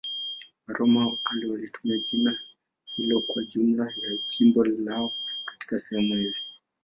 Waroma wa kale walitumia jina hilo kwa jumla ya jimbo lao katika sehemu hizi.